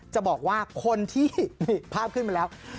จะบอกว่าคนที่นี่ภาพขึ้นมาแล้ว